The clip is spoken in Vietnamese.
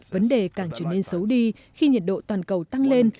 vấn đề càng trở nên xấu đi khi nhiệt độ toàn cầu tăng lên